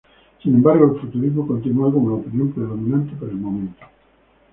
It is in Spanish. Sin embargo, el futurismo continúa como la opinión predominante por el momento.